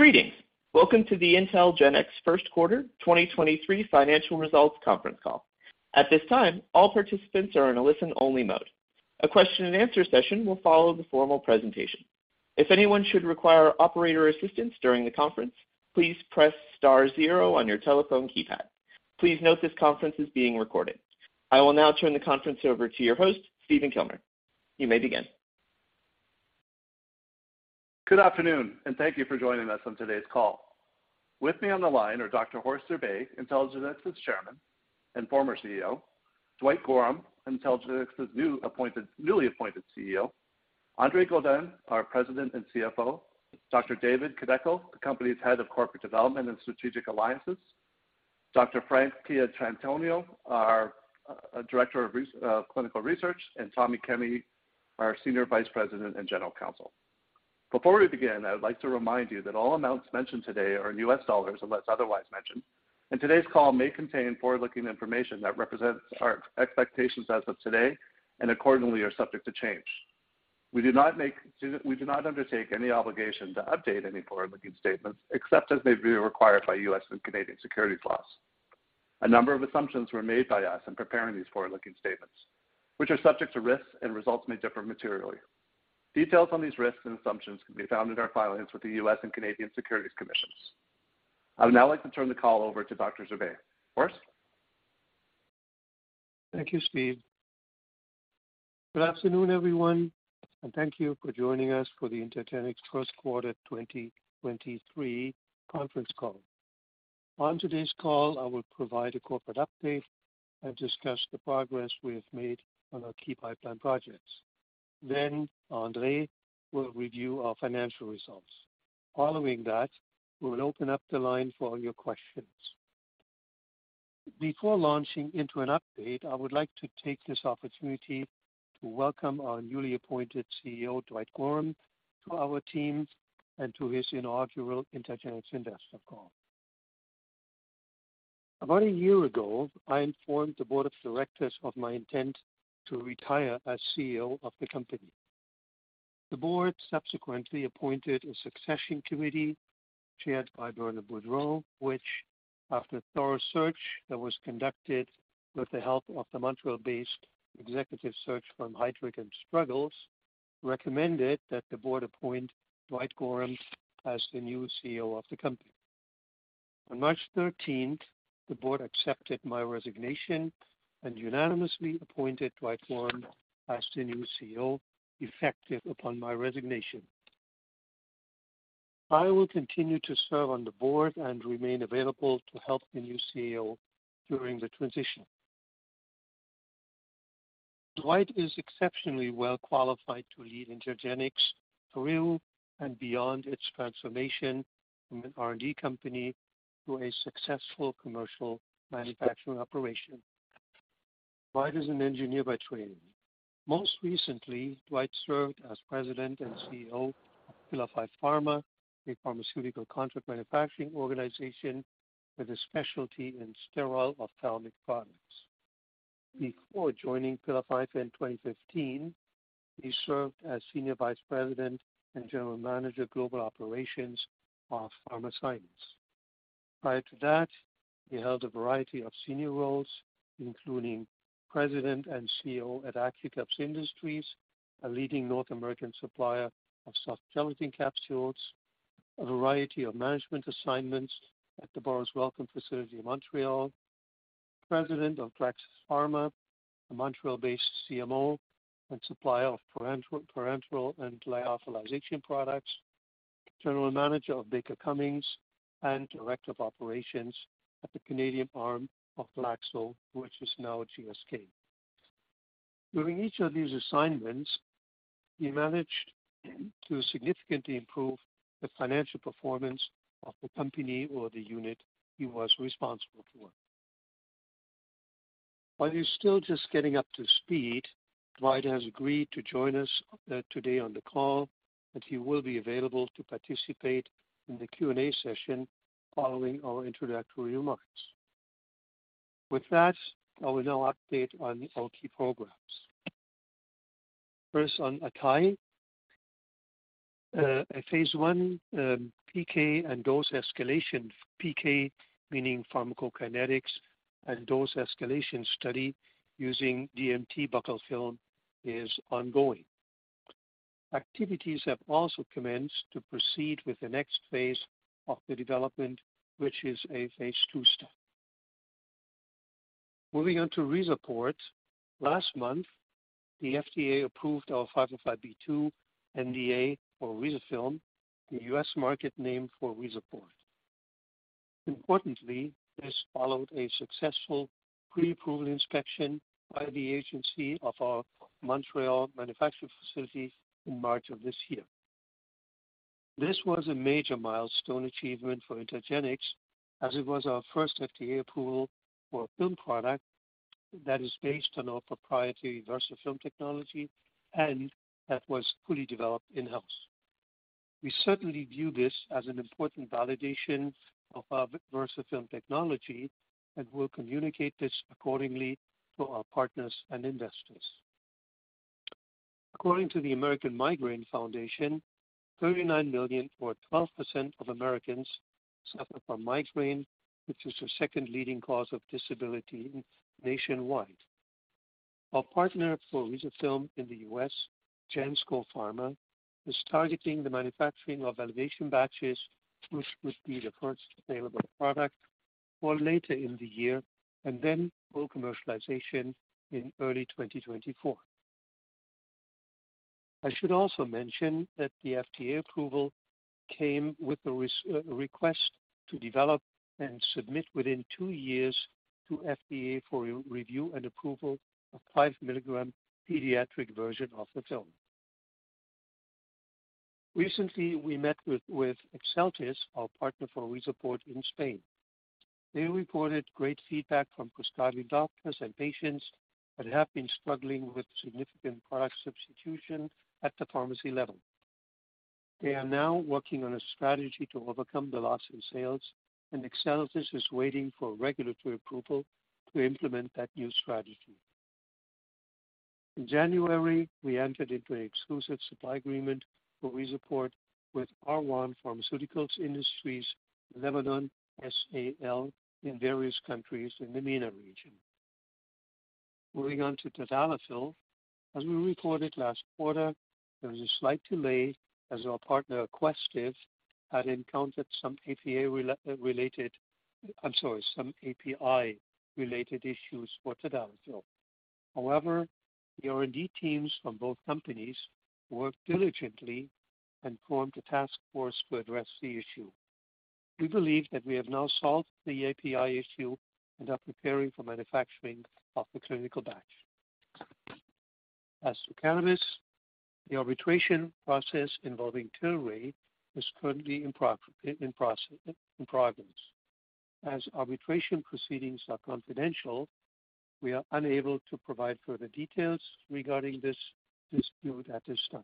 Greetings. Welcome to the IntelGenx First Quarter 2023 Financial Results Conference Call. At this time, all participants are in a listen-only mode. A question and answer session will follow the formal presentation. If anyone should require operator assistance during the conference, please press star zero on your telephone keypad. Please note this conference is being recorded. I will now turn the conference over to your host, Stephen Kilmer. You may begin. Good afternoon, thank you for joining us on today's call. With me on the line are Dr. Horst G. Zerbe, IntelGenx's Chairman and Former CEO, Dwight Gorham, IntelGenx's newly appointed CEO, Andre Godin, our President and CFO, Dr. David Kideckel, the company's Head of Corporate Development and Strategic Alliances, Dr. Frank Pietrantonio, our Director of clinical research, and Tommy Kenny, our Senior Vice President and General Counsel. Before we begin, I would like to remind you that all amounts mentioned today are in U.S. dollars unless otherwise mentioned. Today's call may contain forward-looking information that represents our expectations as of today, and accordingly are subject to change. We do not undertake any obligation to update any forward-looking statements, except as may be required by U.S. and Canadian securities laws. A number of assumptions were made by us in preparing these forward-looking statements, which are subject to risks and results may differ materially. Details on these risks and assumptions can be found in our filings with the U.S. and Canadian Securities Commissions. I would now like to turn the call over to Dr. Zerbe. Horst? Thank you, Steve. Good afternoon, everyone, thank you for joining us for the IntelGenx first quarter 2023 conference call. On today's call, I will provide a corporate update and discuss the progress we have made on our key pipeline projects. Andre will review our financial results. Following that, we will open up the line for all your questions. Before launching into an update, I would like to take this opportunity to welcome our newly appointed CEO, Dwight Gorham, to our team and to his inaugural IntelGenx investor call. About a year ago, I informed the Board of Directors of my intent to retire as CEO of the company. The board subsequently appointed a succession committee chaired by Bernard Boudreau, which after thorough search that was conducted with the help of the Montreal-based executive search firm Heidrick & Struggles, recommended that the board appoint Dwight Gorham as the new CEO of the company. On March thirteenth, the board accepted my resignation and unanimously appointed Dwight Gorham as the new CEO, effective upon my resignation. I will continue to serve on the board and remain available to help the new CEO during the transition. Dwight is exceptionally well qualified to lead IntelGenx through and beyond its transformation from an R&D company to a successful commercial manufacturing operation. Dwight is an engineer by training. Most recently, Dwight served as president and CEO of Pillar 5 Pharma, a pharmaceutical contract manufacturing organization with a specialty in sterile ophthalmic products. Before joining Pillar 5 in 2015, he served as senior vice president and general manager of global operations of Pharmascience. Prior to that, he held a variety of senior roles, including president and CEO at Accucaps Industries, a leading North American supplier of soft gelatin capsules, a variety of management assignments at the Burroughs Wellcome facility in Montreal, president of Draxis Pharma, a Montreal-based CMO, and supplier of parental and lyophilization products, general manager of Baker Cummings, and director of operations at the Canadian arm of Glaxo, which is now GSK. During each of these assignments, he managed to significantly improve the financial performance of the company or the unit he was responsible for. While he's still just getting up to speed, Dwight has agreed to join us today on the call, and he will be available to participate in the Q&A session following our introductory remarks. With that, I will now update on our key programs. First, on atai. A phase I PK and dose escalation. PK, meaning pharmacokinetics, and dose escalation study using DMT buccal film is ongoing. Activities have also commenced to proceed with the next phase of the development, which is a phase II study. Moving on to RIZAPORT. Last month, the FDA approved our 505(b)(2) NDA for RizaFilm, the U.S. market name for RIZAPORT. Importantly, this followed a successful pre-approval inspection by the agency of our Montreal manufacturing facility in March of this year. This was a major milestone achievement for IntelGenx, as it was our first FDA approval for a film product that is based on our proprietary VersaFilm technology and that was fully developed in-house. We certainly view this as an important validation of our VersaFilm technology and will communicate this accordingly to our partners and investors. According to the American Migraine Foundation, 39 million or 12% of Americans suffer from migraine, which is the second leading cause of disability nationwide. Our partner for VersaFilm in the U.S., Gensco Pharma, is targeting the manufacturing of validation batches, which would be the first available product for later in the year, and then full commercialization in early 2024. I should also mention that the FDA approval came with the request to develop and submit within two years to FDA for re-review and approval of 5-milligram pediatric version of the film. Recently, we met with Exeltis, our partner for RIZAPORT in Spain. They reported great feedback from prescribing doctors and patients that have been struggling with significant product substitution at the pharmacy level. They are now working on a strategy to overcome the loss in sales. Exeltis is waiting for regulatory approval to implement that new strategy. In January, we entered into an exclusive supply agreement for VeraPort with R1 Pharmaceuticals Industries Lebanon SAL in various countries in the MENA region. Moving on to tadalafil. As we reported last quarter, there was a slight delay as our partner, Aquestive, had encountered some API-related issues for tadalafil. The R&D teams from both companies worked diligently and formed a task force to address the issue. We believe that we have now solved the API issue and are preparing for manufacturing of the clinical batch. As to cannabis, the arbitration process involving Tilray is currently in progress. Arbitration proceedings are confidential, we are unable to provide further details regarding this dispute at this time.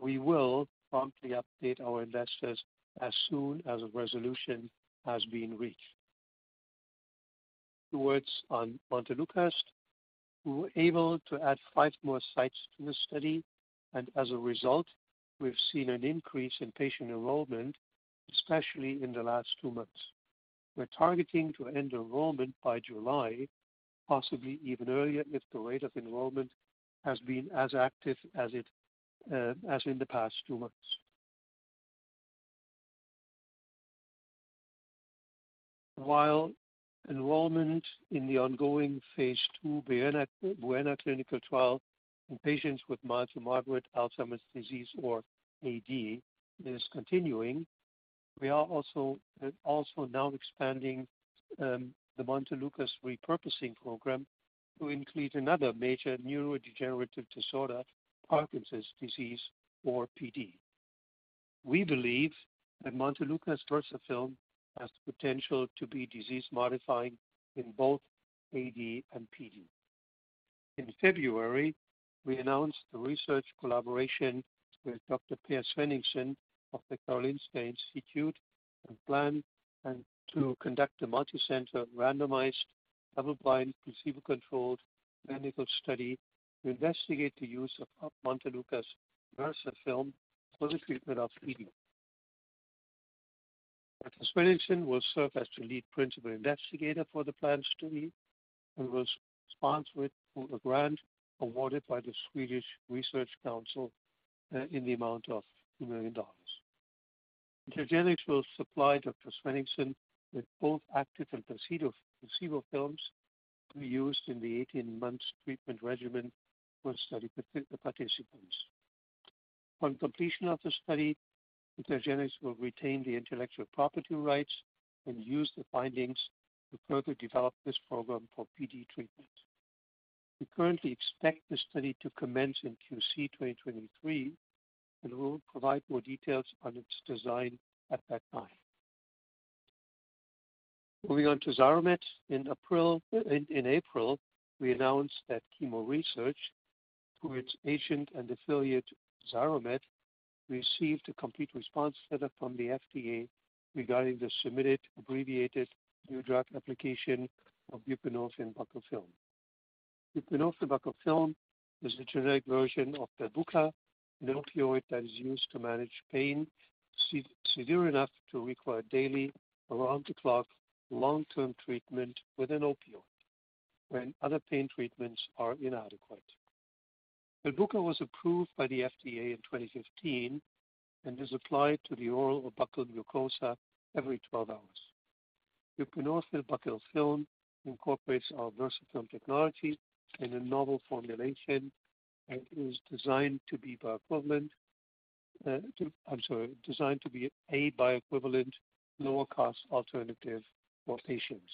We will promptly update our investors as soon as a resolution has been reached. Two words on montelukast. We were able to add five more sites to the study, and as a result, we've seen an increase in patient enrollment, especially in the last two months. We're targeting to end enrollment by July, possibly even earlier, if the rate of enrollment has been as active as it as in the past two months. While enrollment in the ongoing phase II BUENA clinical trial in patients with mild to moderate Alzheimer's disease or AD is continuing, we are also now expanding the montelukast repurposing program to include another major neurodegenerative disorder, Parkinson's disease or PD. We believe that Montelukast VersaFilm has the potential to be disease-modifying in both AD and PD. In February, we announced a research collaboration with Dr. Per Svenningsson of the Karolinska Institute to conduct a multicenter randomized double-blind, placebo-controlled clinical study to investigate the use of Montelukast VersaFilm for the treatment of PD. Dr. Svenningsson will serve as the lead principal investigator for the planned study and was sponsored through a grant awarded by the Swedish Research Council in the amount of $2 million. IntelGenx will supply Dr. Svenningsson with both active and placebo films to be used in the 18 months treatment regimen for study participants. On completion of the study, IntelGenx will retain the intellectual property rights and use the findings to further develop this program for PD treatment. We currently expect the study to commence in QC 2023, we'll provide more details on its design at that time. Moving on to Xiromed. In April, we announced that Chemo Research, through its agent and affiliate, Xiromed, received a Complete Response Letter from the FDA regarding the submitted Abbreviated New Drug Application of Buprenorphine Buccal Film. Buprenorphine Buccal Film is the generic version of Belbuca, an opioid that is used to manage pain severe enough to require daily around-the-clock long-term treatment with an opioid when other pain treatments are inadequate. Belbuca was approved by the FDA in 2015 and is applied to the oral or buccal mucosa every 12 hours. Buprenorphine Buccal Film incorporates our VersaFilm technology in a novel formulation and is I'm sorry, designed to be a bioequivalent lower-cost alternative for patients.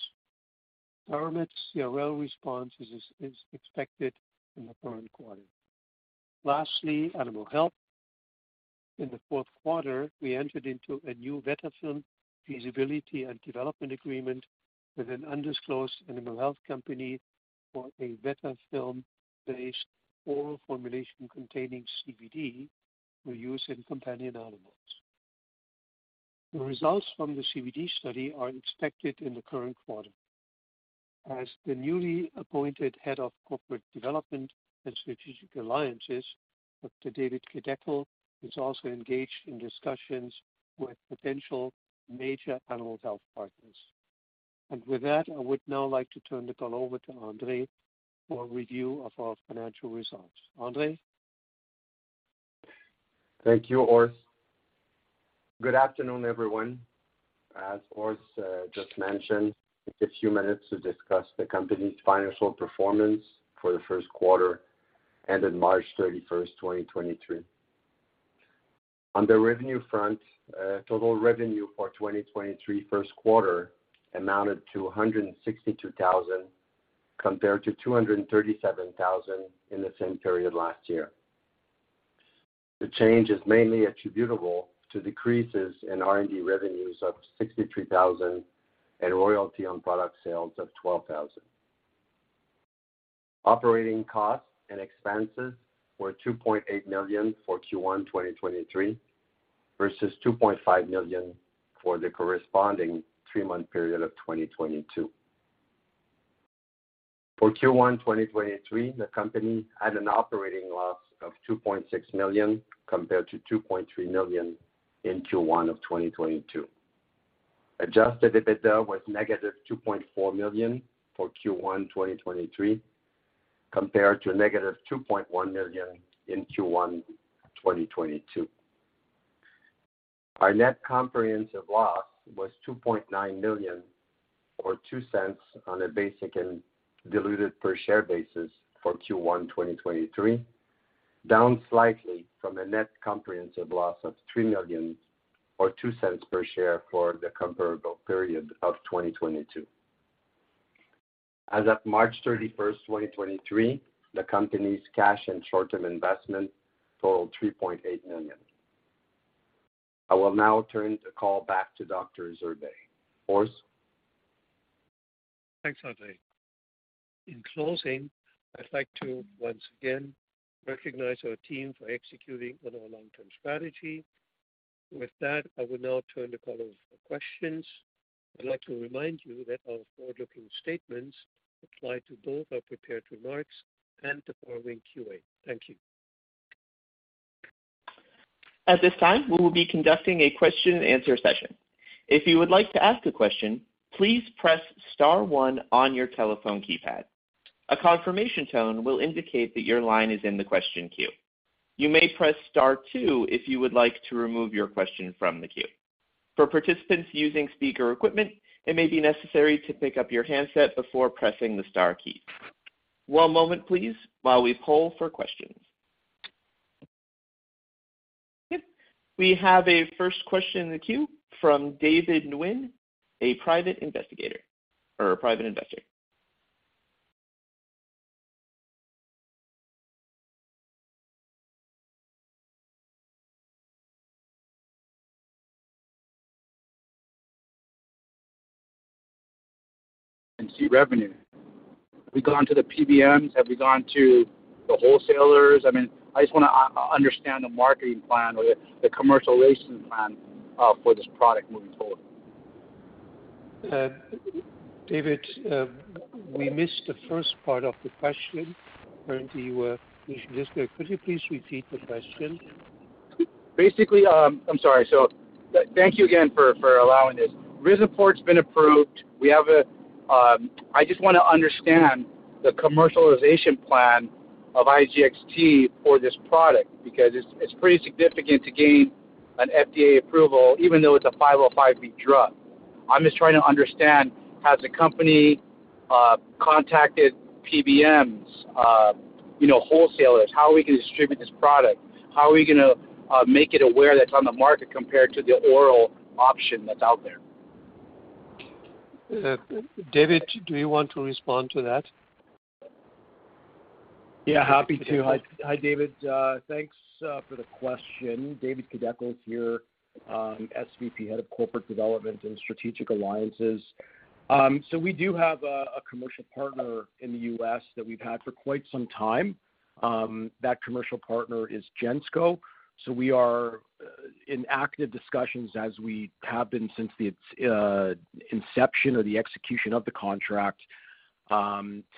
Xiromed's CRL response is expected in the current quarter. Lastly, animal health. In the fourth quarter, we entered into a new VetaFilm feasibility and development agreement with an undisclosed animal health company for a VetaFilm-based oral formulation containing CBD for use in companion animals. The results from the CBD study are expected in the current quarter. As the newly appointed head of corporate development and strategic alliances, Dr. David Kideckel is also engaged in discussions with potential major animal health partners. With that, I would now like to turn the call over to Andre for a review of our financial results. Andre? Thank you, Horst. Good afternoon, everyone. As Horst just mentioned, it's a few minutes to discuss the company's financial performance for the first quarter ending March 31st, 2023. On the revenue front, total revenue for 2023 first quarter amounted to $162,000, compared to $237,000 in the same period last year. The change is mainly attributable to decreases in R&D revenues of $63,000 and royalty on product sales of $12,000. Operating costs and expenses were $2.8 million for Q1 2023 versus $2.5 million for the corresponding three-month period of 2022. For Q1 2023, the company had an operating loss of $2.6 million compared to $2.3 million in Q1 2022. Adjusted EBITDA was negative $2.4 million for Q1, 2023, compared to negative $2.1 million in Q1, 2022. Our net comprehensive loss was $2.9 million or $0.02 on a basic and diluted per share basis for Q1, 2023, down slightly from a net comprehensive loss of $3 million or $0.02 per share for the comparable period of 2022. As of March 31, 2023, the company's cash and short-term investment totaled $3.8 million. I will now turn the call back to Dr. Zerbe. Horst? Thanks, Andre. In closing, I'd like to once again recognize our team for executing on our long-term strategy. With that, I will now turn the call over for questions. I'd like to remind you that our forward-looking statements apply to both our prepared remarks and the following QA. Thank you. At this time, we will be conducting a question and answer session. If you would like to ask a question, please press star 1 on your telephone keypad. A confirmation tone will indicate that your line is in the question queue. You may press star two if you would like to remove your question from the queue. For participants using speaker equipment, it may be necessary to pick up your handset before pressing the star key. One moment, please, while we poll for questions. We have a first question in the queue from David Nguyen, a private investigator or a private investor. See revenue. Have we gone to the PBMs? Have we gone to the wholesalers? I mean, I just wanna understand the marketing plan or the commercialization plan for this product moving forward. David, we missed the first part of the question. Apparently, you should just go. Could you please repeat the question? Basically, I'm sorry. Thank you again for allowing this. RIZAPORT's been approved. We have a, I just wanna understand the commercialization plan of IGXT for this product because it's pretty significant to gain an FDA approval, even though it's a 505(b)(2) drug. I'm just trying to understand, has the company contacted PBMs, you know, wholesalers, how are we gonna distribute this product? How are we gonna make it aware that's on the market compared to the oral option that's out there? David, do you want to respond to that? Yeah, happy to. Hi, David. Thanks for the question. David Kideckel here, SVP, Head of Corporate Development and Strategic Alliances. We do have a commercial partner in the U.S. that we've had for quite some time. That commercial partner is Gensco. We are in active discussions as we have been since the inception or the execution of the contract,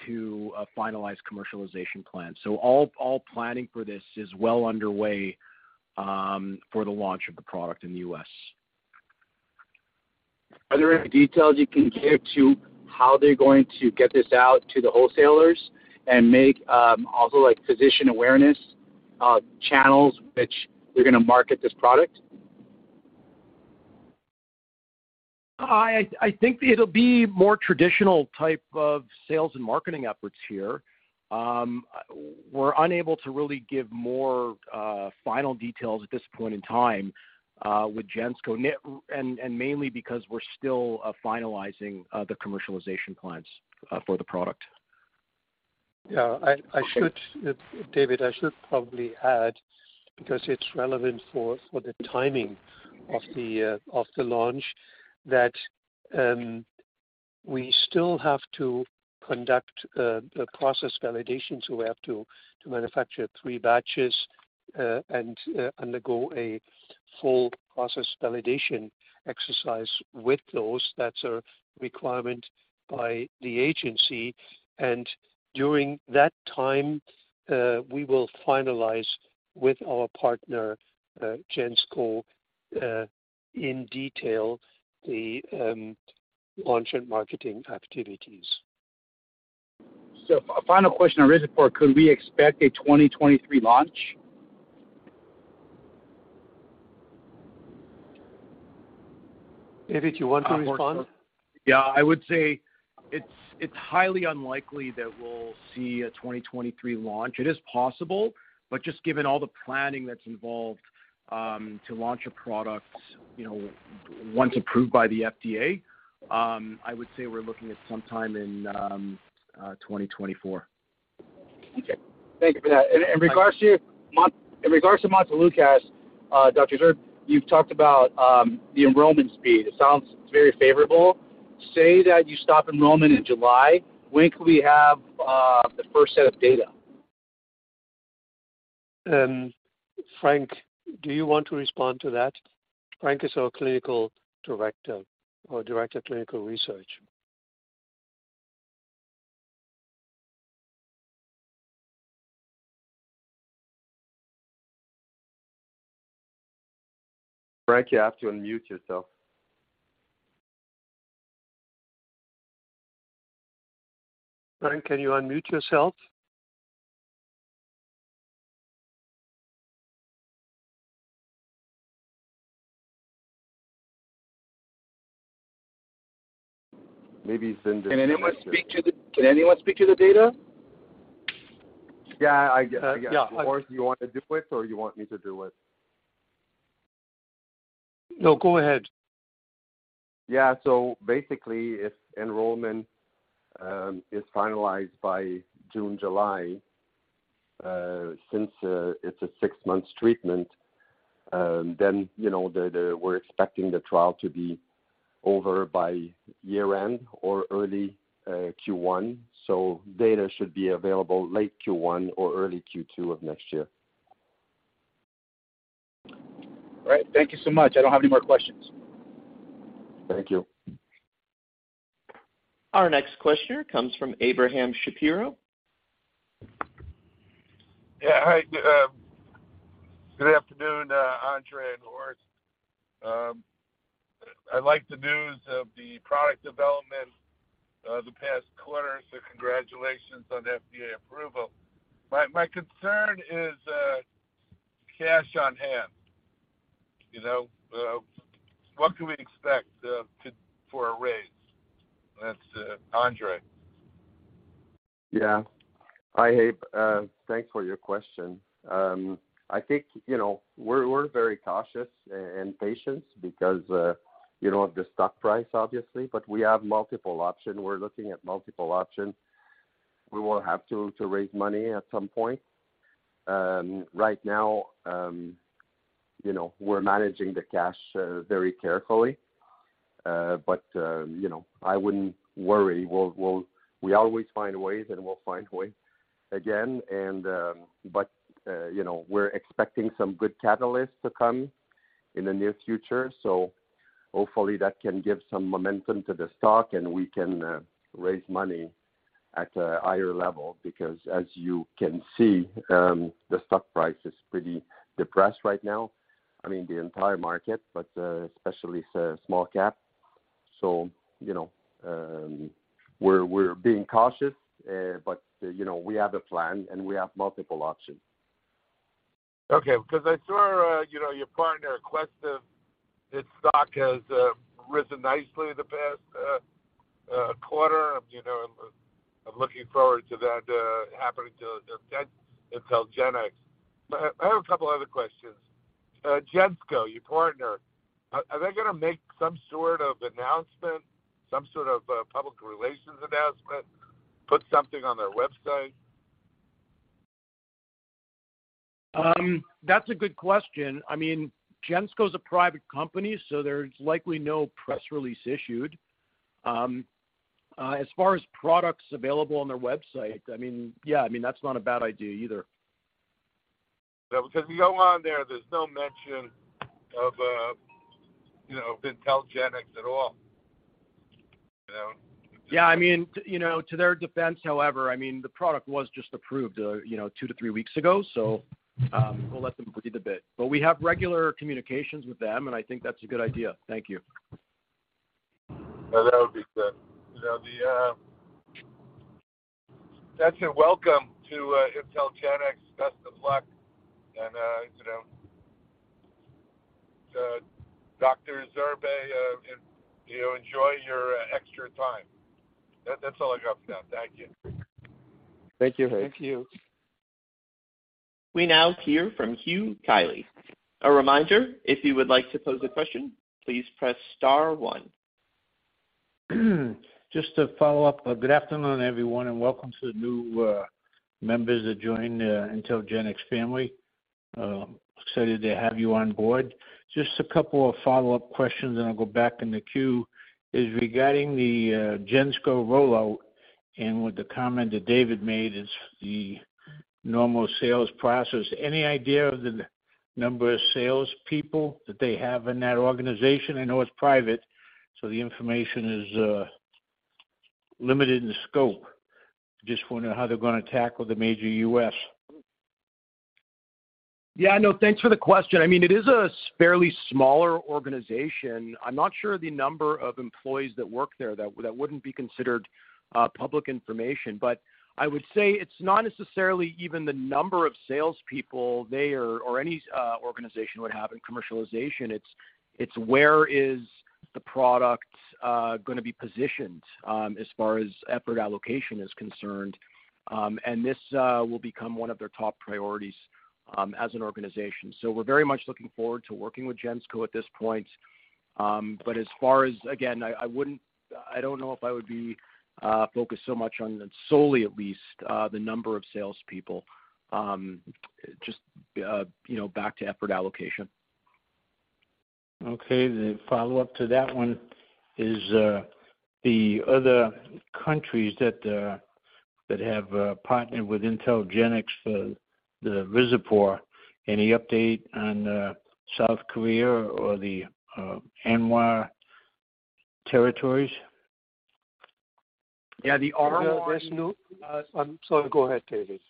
to finalize commercialization plan. All planning for this is well underway for the launch of the product in the U.S. Are there any details you can give to how they're going to get this out to the wholesalers and make, also like physician awareness, channels which they're gonna market this product? I think it'll be more traditional type of sales and marketing efforts here. We're unable to really give more final details at this point in time with Gensco. Mainly because we're still finalizing the commercialization plans for the product. Yeah. I should-- Okay. David, I should probably add, because it's relevant for the timing of the launch, that. We still have to conduct the process validation, so we have to manufacture three batches, and undergo a full process validation exercise with those. That's a requirement by the agency. During that time, we will finalize with our partner, Gensco, in detail the launch and marketing activities. A final question on RIZAPORT. Could we expect a 2023 launch? David, do you want to respond? I would say it's highly unlikely that we'll see a 2023 launch. It is possible, but just given all the planning that's involved to launch a product, you know, once approved by the FDA, I would say we're looking at sometime in 2024. Okay. Thank you for that. In regards to montelukast, Dr. Zerbe, you've talked about the enrollment speed. It sounds very favorable. Say that you stop enrollment in July, when could we have the first set of data? Frank, do you want to respond to that? Frank is our clinical director or director of clinical research. Frank, you have to unmute yourself. Frank, can you unmute yourself? Maybe it's in. Can anyone speak to the data? Yeah, I guess. Horst, do you want to do it or you want me to do it? No, go ahead. Basically, if enrollment is finalized by June, July, since it's a six-month treatment, then you know, we're expecting the trial to be over by year-end or early Q1. Data should be available late Q1 or early Q2 of next year. All right. Thank you so much. I don't have any more questions. Thank you. Our next questioner comes from Abraham Shapiro. Yeah. Hi. Good afternoon, Andre and Horst. I like the news of the product development, the past quarter. Congratulations on the FDA approval. My concern is cash on hand. You know, what can we expect for a raise? That's Andre. Hi, Abe. Thanks for your question. I think, you know, we're very cautious and patient because, you know, of the stock price obviously. We have multiple option. We're looking at multiple options. We will have to raise money at some point. Right now, you know, we're managing the cash very carefully. I wouldn't worry. We'll We always find ways, and we'll find ways again. We're expecting some good catalysts to come in the near future. Hopefully that can give some momentum to the stock, and we can raise money at a higher level because as you can see, the stock price is pretty depressed right now. I mean, the entire market, but especially small cap. You know, we're being cautious. you know, we have a plan, and we have multiple options. Okay. Because I saw, you know, your partner, Aquestive, its stock has risen nicely the past quarter. You know, I'm looking forward to that happening to IntelGenx. I have a couple other questions. Gensco, your partner, are they gonna make some sort of announcement, some sort of public relations announcement, put something on their website? That's a good question. I mean, Gensco is a private company. There's likely no press release issued. As far as products available on their website, I mean, yeah. I mean, that's not a bad idea either. Yeah. Because we go on there's no mention of, you know, of IntelGenx at all. You know? Yeah. I mean, you know, to their defense, however, I mean, the product was just approved, you know, two to three weeks ago. We'll let them breathe a bit. We have regular communications with them, and I think that's a good idea. Thank you. That would be good. You know, the-- That's a welcome to IntelGenx. Best of luck and, you know. Dr. Zerbe, you know, enjoy your extra time. That's all I got for now. Thank you. Thank you, Abe. Thank you. We now hear from Hugh Kiley. A reminder, if you would like to pose a question, please press star one. Just to follow up. Good afternoon, everyone, welcome to the new members that joined the IntelGenx family. Excited to have you on board. Just a couple of follow-up questions, and I'll go back in the queue, is regarding the Gensco rollout and with the comment that David made is the normal sales process. Any idea of the number of salespeople that they have in that organization? I know it's private, so the information is limited in scope. Just wondering how they're gonna tackle the major U.S. Yeah, no, thanks for the question. I mean, it is a fairly smaller organization. I'm not sure the number of employees that work there. That wouldn't be considered public information. I would say it's not necessarily even the number of salespeople they or any organization would have in commercialization. It's where is the product gonna be positioned as far as effort allocation is concerned. This will become one of their top priorities as an organization. We're very much looking forward to working with Gensco at this point. As far as-- Again, I don't know if I would be focused so much on solely at least the number of salespeople. Just, you know, back to effort allocation. Okay. The follow-up to that one is, the other countries that have partnered with IntelGenx for the RIZAPORT. Any update on South Korea or the other territories? Yeah, the R1-- There's no-- I'm sorry. Go ahead, David.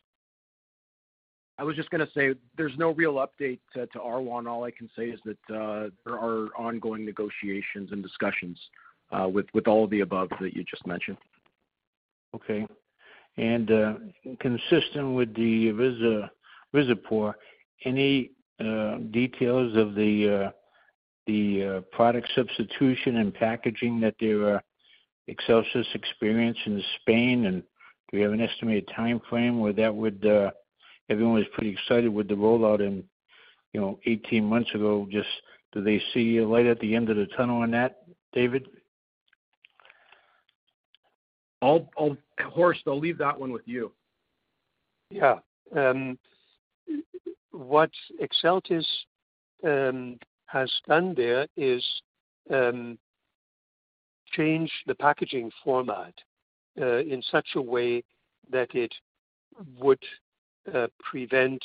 I was just gonna say, there's no real update to R1. All I can say is that there are ongoing negotiations and discussions with all the above that you just mentioned. Okay. Consistent with the RIZAPORT, any details of the product substitution and packaging that there are Exeltis experience in Spain, and do we have an estimated timeframe? Everyone was pretty excited with the rollout and, you know, 18 months ago, just do they see a light at the end of the tunnel on that, David? I'll Horst, I'll leave that one with you. What Exeltis has done there is change the packaging format in such a way that it would prevent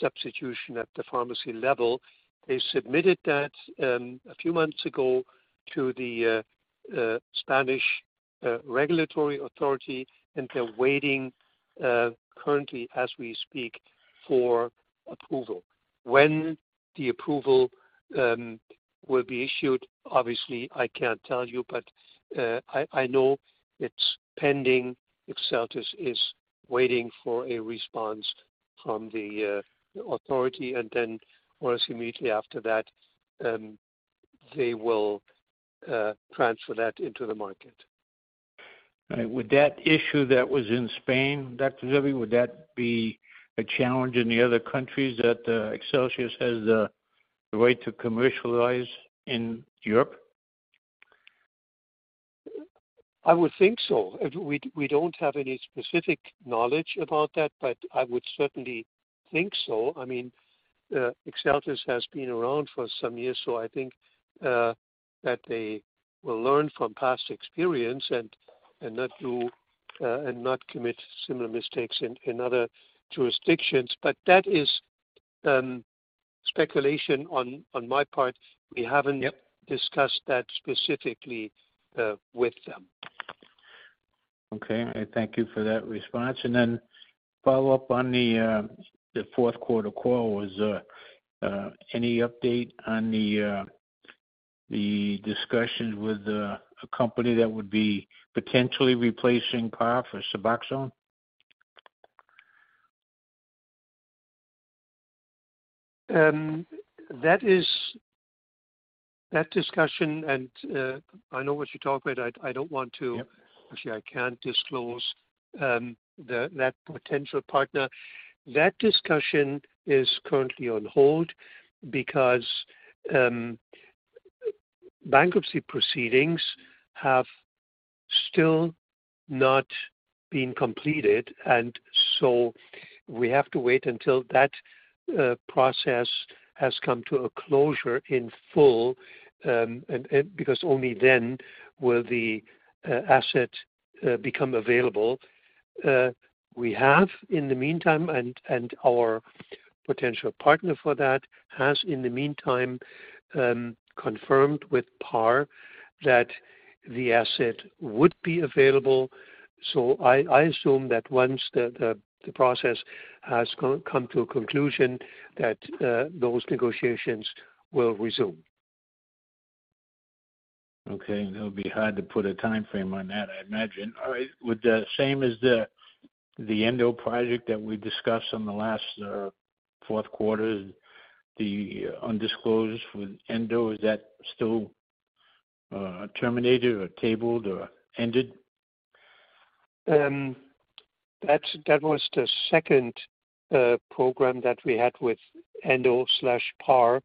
substitution at the pharmacy level. They submitted that a few months ago to the Spanish regulatory authority. They're waiting currently as we speak for approval. When the approval will be issued, obviously, I can't tell you. I know it's pending. Exeltis is waiting for a response from the authority. Once immediately after that, they will transfer that into the market. All right. With that issue that was in Spain, Dr. Zerbe, would that be a challenge in the other countries that Exeltis has the right to commercialize in Europe? I would think so. We don't have any specific knowledge about that, but I would certainly think so. I mean, Exeltis has been around for some years, so I think that they will learn from past experience and not do and not commit similar mistakes in other jurisdictions. That is speculation on my part. We haven't discussed that specifically, with them. Okay. Thank you for that response. Follow up on the fourth quarter call was any update on the discussions with the company that would be potentially replacing Par for Suboxone? That discussion and, I know what you're talking about. I don't want to. Actually, I can't disclose that potential partner. That discussion is currently on hold because bankruptcy proceedings have still not been completed. We have to wait until that process has come to a closure in full, because only then will the asset become available. We have in the meantime and our potential partner for that has in the meantime confirmed with Par that the asset would be available. I assume that once the process has come to a conclusion that those negotiations will resume. Okay. It'll be hard to put a timeframe on that, I'd imagine. All right. With the same as the Endo project that we discussed on the last, fourth quarter, the undisclosed with Endo, is that still terminated or tabled or ended? that was the second program that we had with Endo/Par.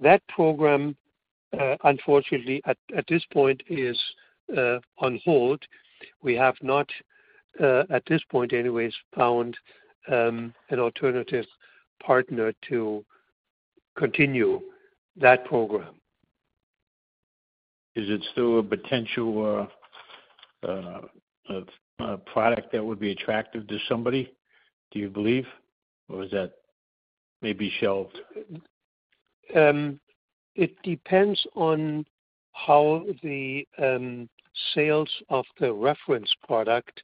That program unfortunately at this point is on hold. We have not at this point anyways, found an alternative partner to continue that program. Is it still a potential product that would be attractive to somebody, do you believe? Or is that maybe shelved? It depends on how the sales of the reference product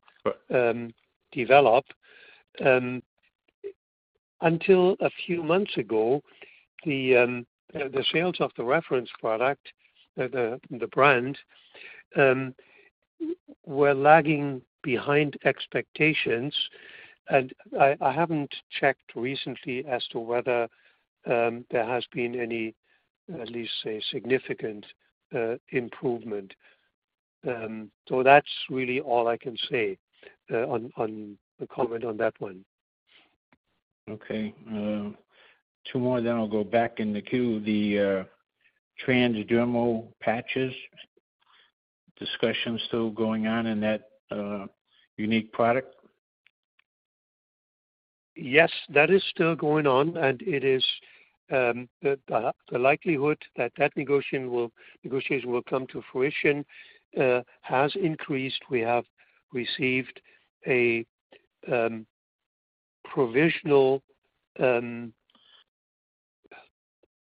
develop. Until a few months ago, the sales of the reference product, the brand, were lagging behind expectations. I haven't checked recently as to whether there has been any, at least a significant improvement. That's really all I can say on-- or comment on that one. Two more then I'll go back in the queue. The transdermal patches discussion still going on in that unique product? That is still going on, and it is the likelihood that that negotiation will come to fruition has increased. We have received a provisional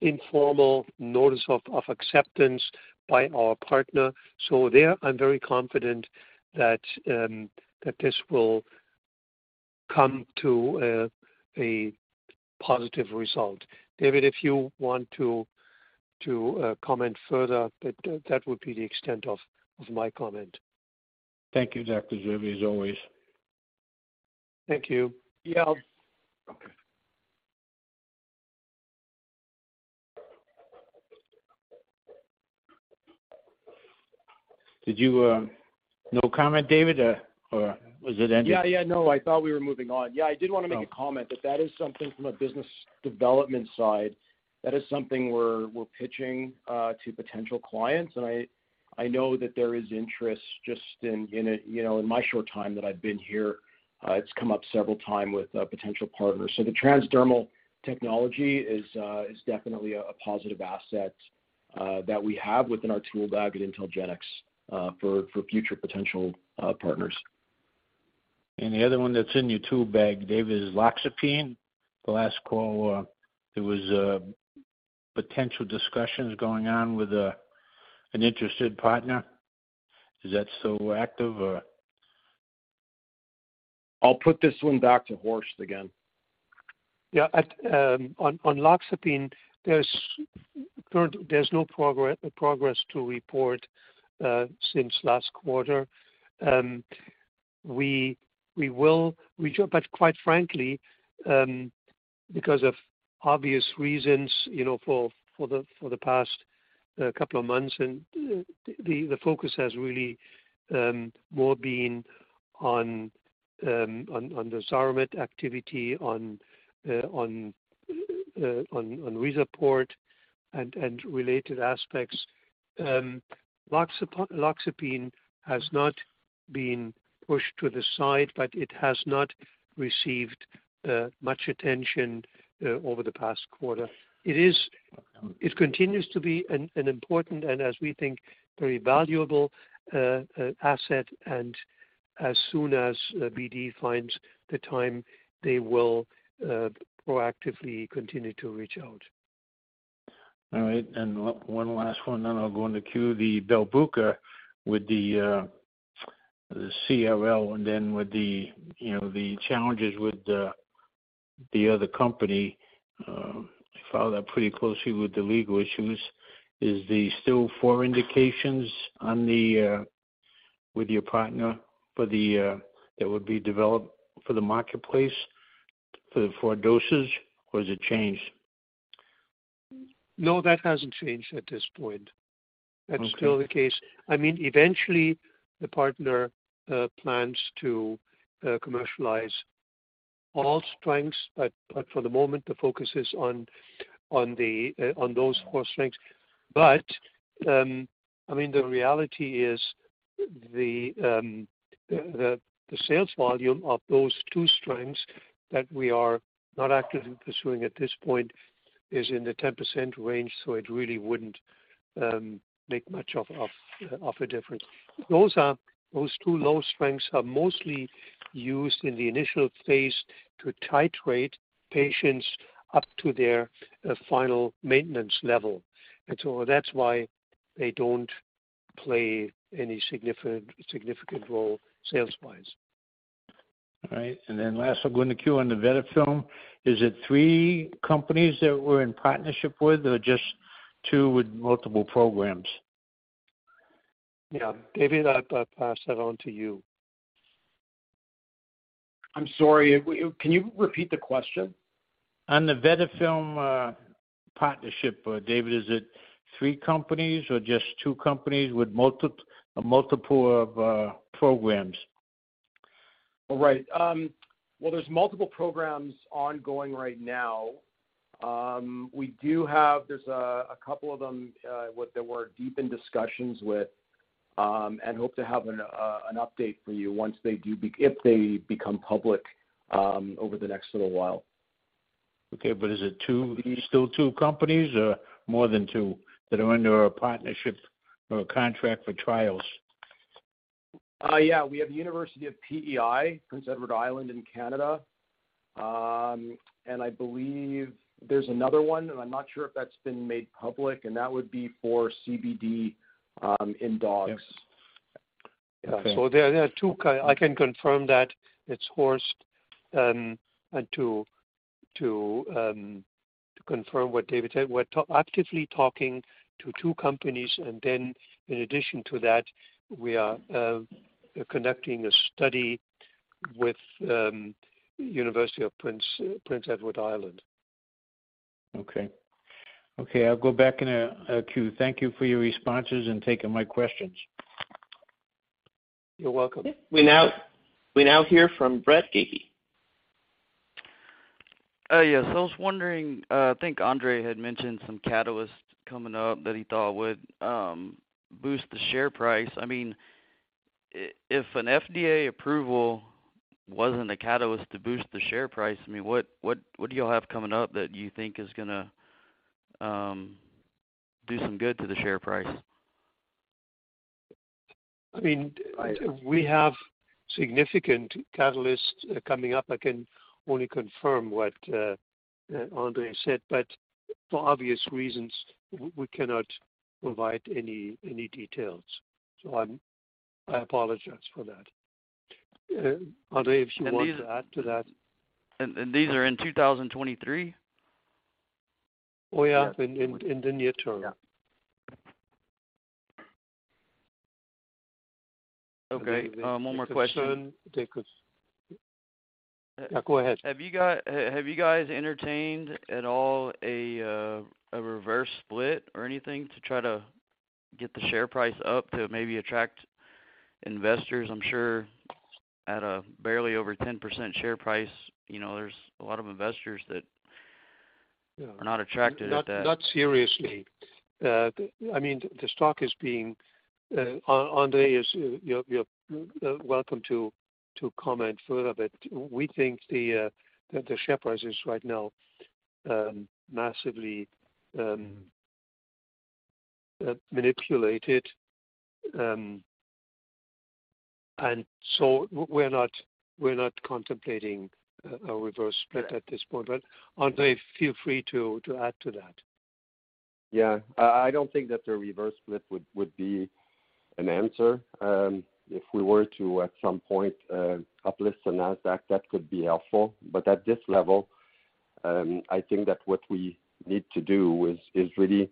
informal notice of acceptance by our partner. There, I'm very confident that this will come to a positive result. David, if you want to comment further, but that would be the extent of my comment. Thank you, Dr. Zerbe, as always. Thank you. Yeah. Okay. Did you-- No comment, David? Was it ended? Yeah. No, I thought we were moving on. Yeah, I did wanna make a comment. That that is something from a business development side, that is something we're pitching to potential clients. I know that there is interest just in it. You know, in my short time that I've been here, it's come up several time with potential partners. The transdermal technology is definitely a positive asset that we have within our tool bag at IntelGenx for future potential partners. The other one that's in your tool bag, David, is Loxapine. The last call, there was potential discussions going on with an interested partner. Is that still active or? I'll put this one back to Horst again. Yeah. On Loxapine, there's no progress to report since last quarter. We will reach out, but quite frankly, because of obvious reasons, you know, for the past couple of months and the focus has really more been on the Xiromed activity, on RIZAPORT and related aspects. Loxapine has not been pushed to the side, but it has not received much attention over the past quarter. It continues to be an important and as we think, very valuable asset. As soon as BD finds the time, they will proactively continue to reach out. All right. One last one, then I'll go in the queue. The Belbuca with the CRL and then with the, you know, the challenges with the other company, followed up pretty closely with the legal issues. Is there still four indications on the with your partner for the that would be developed for the marketplace for the four dosage or has it changed? No, that hasn't changed at this point. Okay. That's still the case. I mean, eventually the partner plans to commercialize all strengths, but for the moment the focus is on those four strengths. I mean, the reality is the sales volume of those two strengths that we are not actively pursuing at this point is in the 10% range, so it really wouldn't make much of a difference. Those two low strengths are mostly used in the initial phase to titrate patients up to their final maintenance level. That's why they don't play any significant role sales-wise. All right. Last, I'll go in the queue on the VersaFilm. Is it three companies that we're in partnership with or just two with multiple programs? Yeah. David, I'll pass that on to you. I'm sorry. Can you repeat the question? On the VersaFilm, partnership, David, is it three companies or just two companies with multiple of, programs? All right. Well, there's multiple programs ongoing right now. There's a couple of them what that we're deep in discussions with, and hope to have an update for you once if they become public over the next little while. Okay. Is it two, are you still two companies or more than two that are under a partnership or a contract for trials? Yeah. We have University of PEI, Prince Edward Island in Canada. I believe there's another one, and I'm not sure if that's been made public, and that would be for CBD in dogs. There are two I can confirm that it's Horst. To confirm what David said, we're actively talking to two companies. In addition to that, we are conducting a study with University of Prince Edward Island. Okay, I'll go back in a queue. Thank you for your responses and taking my questions. You're welcome. We now hear from Brett Giggy. Yes. I was wondering, I think Andre had mentioned some catalysts coming up that he thought would boost the share price. I mean, if an FDA approval wasn't a catalyst to boost the share price, I mean, what do y'all have coming up that you think is gonna do some good to the share price? We have significant catalysts coming up. I can only confirm what Andre said, but for obvious reasons, we cannot provide any details. I apologize for that. Andre, if you want to add to that. These are in 2023? Oh, yeah. In the near term. Yeah. One more question. Take this. Yeah, go ahead. Have you guys entertained at all a reverse split or anything to try to get the share price up to maybe attract investors? I'm sure at a barely over 10% share price, you know, there's a lot of investors are not attracted at that. Not seriously. I mean, the stock is being. Andre, you're welcome to comment further, we think the share price is right now massively manipulated. We're not contemplating a reverse split at this point. Andre, feel free to add to that. Yeah. I don't think that the reverse split would be an answer. If we were to, at some point, uplist on Nasdaq, that could be helpful. But at this level, I think that what we need to do is really,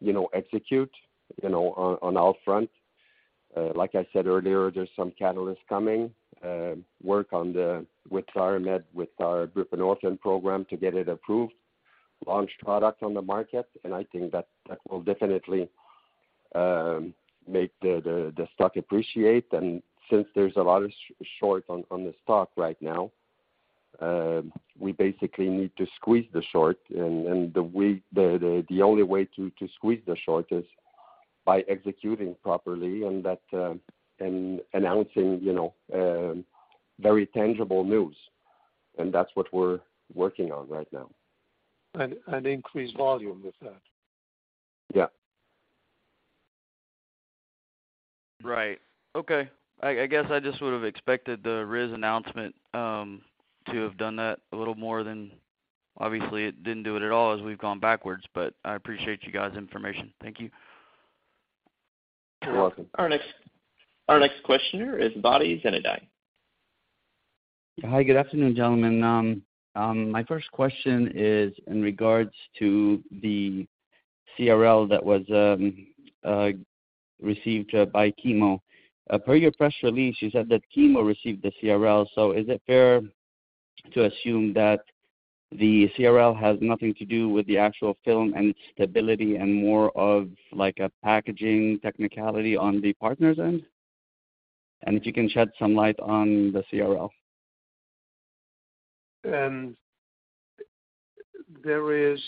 you know, execute, you know, on all front. Like I said earlier, there's some catalysts coming, work with Xiromed, with our Buprenorphine program to get it approved, launch product on the market. I think that that will definitely make the stock appreciate. Since there's a lot of short on the stock right now, we basically need to squeeze the short and the only way to squeeze the short is by executing properly and that, and announcing, you know, very tangible news. That's what we're working on right now. And increase volume with that. Yeah. Right. Okay. I guess I just would've expected the RIS announcement to have done that a little more than obviously it didn't do it at all as we've gone backwards. I appreciate you guys' information. Thank you. You're welcome. Our next questioner is Bedi Ozdeniz. Hi, good afternoon, gentlemen. My first question is in regards to the CRL that was received by Chemo. Per your press release, you said that Chemo received the CRL. Is it fair to assume that the CRL has nothing to do with the actual film and stability and more of like a packaging technicality on the partner's end? If you can shed some light on the CRL. There is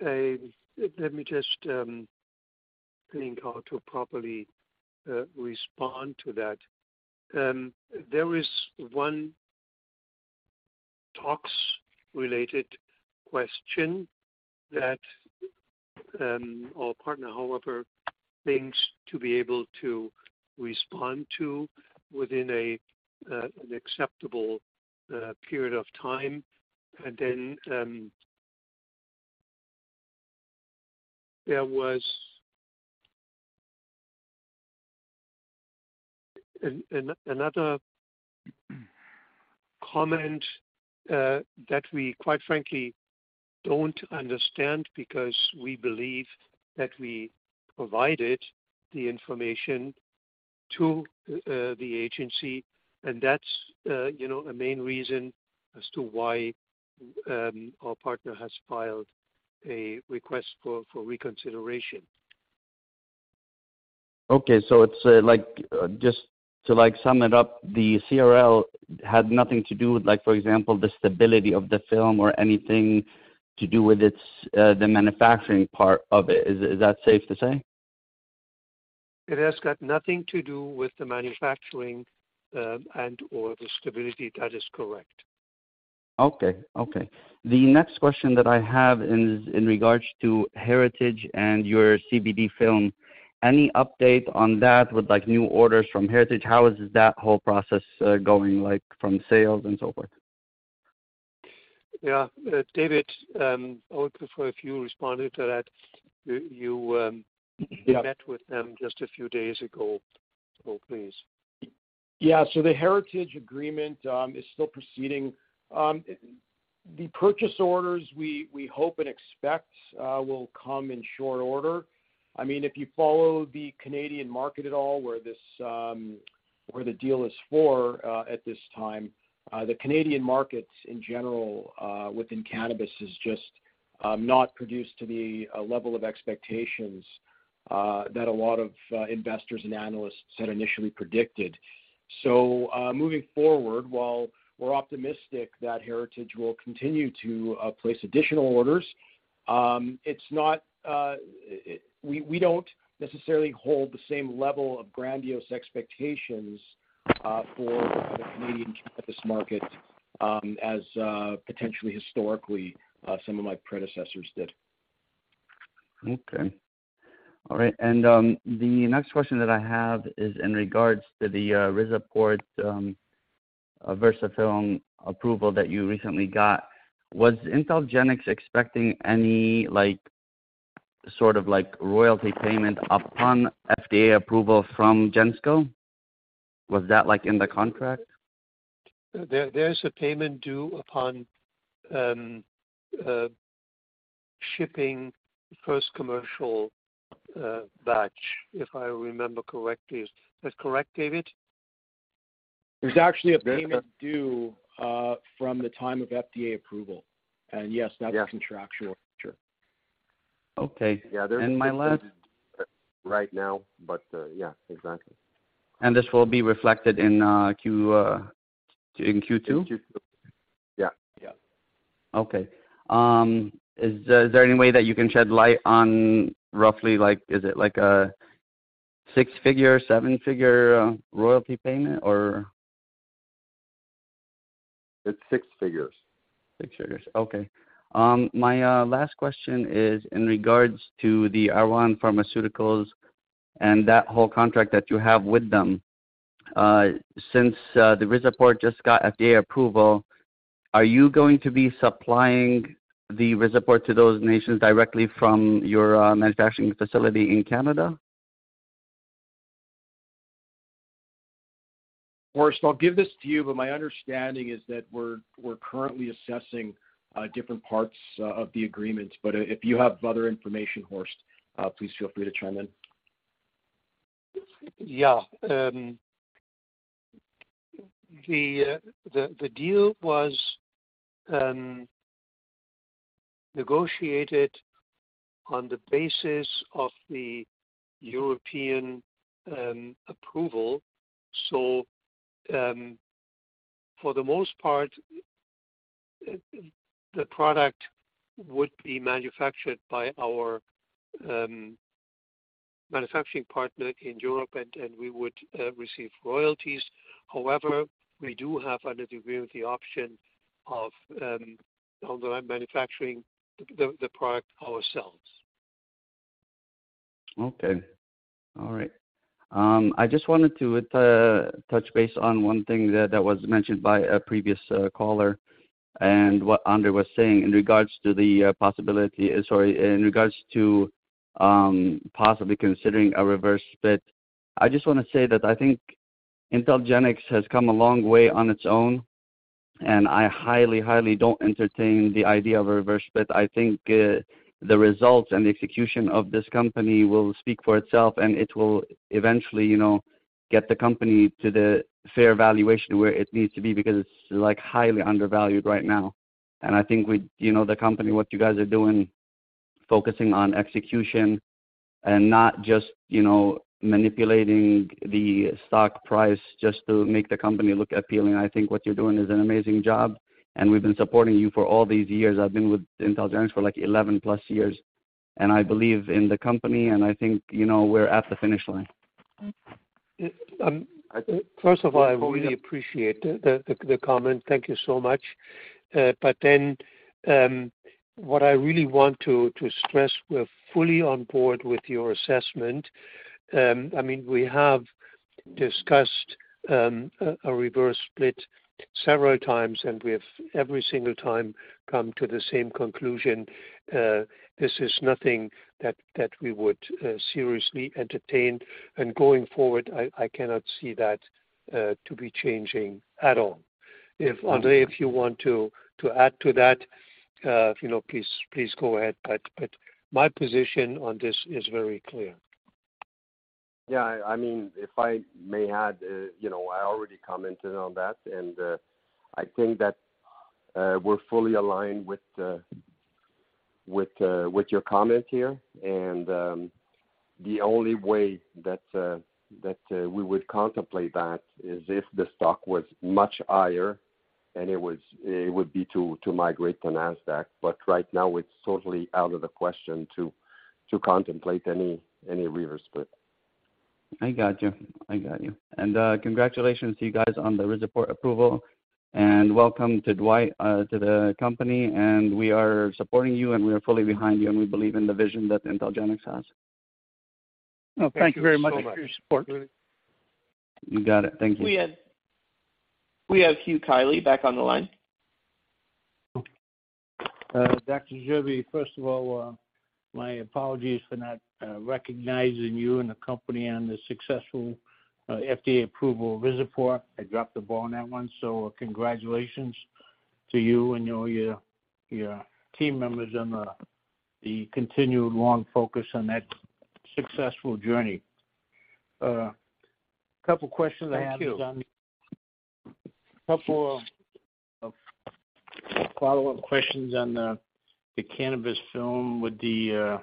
a-- Let me just think how to properly respond to that. There is one talks related question that our partner, Hollister, needs to be able to respond to within an acceptable period of time. Then there was another comment that we quite frankly don't understand because we believe that we provided the information to the agency. That's, you know, a main reason as to why our partner has filed a request for reconsideration. It's just to sum it up, the CRL had nothing to do with, for example, the stability of the film or anything to do with its manufacturing part of it. Is that safe to say? It has got nothing to do with the manufacturing, and/or the stability. That is correct. Okay. The next question that I have is in regards to Heritage and your CBD film. Any update on that with like new orders from Heritage? How is that whole process going, like from sales and so forth? Yeah. David, I would prefer if you responded to that. You met with them just a few days ago. Please. Yeah. The Heritage agreement is still proceeding. The purchase orders we hope and expect will come in short order. I mean, if you follow the Canadian market at all, where this, where the deal is for at this time, the Canadian markets in general within cannabis is just not produced to the level of expectations that a lot of investors and analysts had initially predicted. Moving forward, while we're optimistic that Heritage will continue to place additional orders, it's not. We, we don't necessarily hold the same level of grandiose expectations for the Canadian cannabis market as potentially historically some of my predecessors did. Okay. All right. The next question that I have is in regards to the RIZAPORT, VersaFilm approval that you recently got. Was IntelGenx expecting any, like, sort of like royalty payment upon FDA approval from Gensco? Was that like in the contract? There's a payment due upon shipping first commercial batch, if I remember correctly. Is that correct, David? There's actually a payment due, from the time of FDA approval. Yes, that's contractual. Okay. Right now, but, yeah, exactly. This will be reflected in Q2? In Q2. Yeah. Yeah. Okay. Is there any way that you can shed light on roughly like, is it like a six-figure, seven-figure royalty payment or? It's six figures. Six figures. Okay. My last question is in regards to the Awan Pharmaceuticals and that whole contract that you have with them. Since the RIZAPORT just got FDA approval, are you going to be supplying the RIZAPORT to those nations directly from your manufacturing facility in Canada? Horst, I'll give this to you, but my understanding is that we're currently assessing different parts of the agreement. If you have other information, Horst, please feel free to chime in. Yeah. The deal was negotiated on the basis of the European approval. For the most part, the product would be manufactured by our manufacturing partner in Europe, and we would receive royalties. However, we do have under the agreement the option of online manufacturing the product ourselves. Okay. All right. I just wanted to touch base on one thing that was mentioned by a previous caller and what Andre was saying in regards to the possibility. Sorry, in regards to possibly considering a reverse split. I just want to say that I think IntelGenx has come a long way on its own, and I highly don't entertain the idea of a reverse split. I think the results and the execution of this company will speak for itself, and it will eventually, you know, get the company to the fair valuation where it needs to be because it's like highly undervalued right now. I think with, you know, the company what you guys are doing, focusing on execution and not just, you know, manipulating the stock price just to make the company look appealing. I think what you're doing is an amazing job, and we've been supporting you for all these years. I've been with IntelGenx for like 11+ years, and I believe in the company, and I think, you know, we're at the finish line. First of all, I really appreciate the comment. Thank you so much. What I really want to stress, we're fully on board with your assessment. I mean, we have discussed a reverse split several times, and we have every single time come to the same conclusion. This is nothing that we would seriously entertain. Going forward, I cannot see that to be changing at all. If Andre, if you want to add to that, you know, please go ahead. My position on this is very clear. I mean, if I may add, you know, I already commented on that. I think that we're fully aligned with your comment here. The only way that we would contemplate that is if the stock was much higher and it would be to migrate to Nasdaq. Right now, it's totally out of the question to contemplate any reverse split. I got you. I got you. Congratulations to you guys on the RIZAPORT approval. Welcome to Dwight to the company. We are supporting you. We are fully behind you. We believe in the vision that IntelGenx has. Oh, thank you very much for your support. Thank you so much. You got it. Thank you. We have Hugh Kiley back on the line. Dr. Zerbe, first of all, my apologies for not recognizing you and the company on the successful FDA approval of RIZAPORT. I dropped the ball on that one. Congratulations to you and all your team members on the continued long focus on that successful journey. Couple questions I have. Thank you. A couple of follow-up questions on the cannabis film. With the